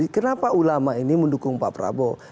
kenapa ulama ini mendukung pak prabowo